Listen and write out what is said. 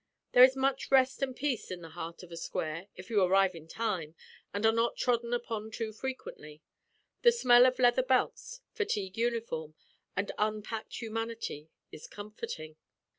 There is much rest and peace in the heart of a square if you arrive in time and are not trodden upon too frequently. The smell of leather belts, fatigue uniform, and unpacked humanity is comforting.